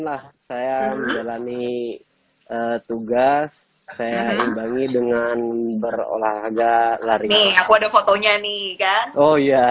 lah saya menjalani tugas saya imbangi dengan berolahraga lari aku ada fotonya nih kan oh ya